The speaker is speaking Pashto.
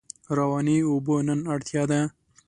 روانې اوبه نن اړتیا ده.